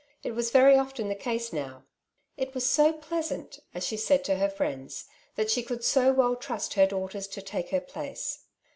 It was very often the case now. " It was so pleasant,^' as she Baid to her friends, *^ that she could so well trust her daughters to take her place.''